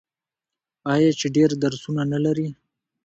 آیا چې ډیر درسونه نلري؟